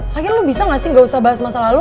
akhirnya lu bisa gak sih gak usah bahas masa lalu